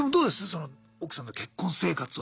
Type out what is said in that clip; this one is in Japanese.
その奥さんと結婚生活は。